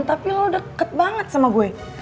tapi lo deket banget sama gue